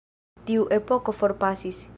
Tiu epoko forpasis.